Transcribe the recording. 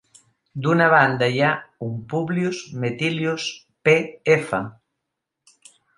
D'una banda hi ha un Publius Metilius P.f.